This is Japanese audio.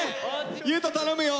優斗頼むよ！